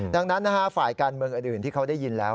ดังนั้นฝ่ายการเมืองอื่นที่เขาได้ยินแล้ว